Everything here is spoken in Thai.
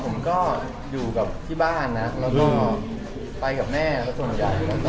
ผมก็อยู่กับที่บ้านนะแล้วก็ไปกับแม่ส่วนใหญ่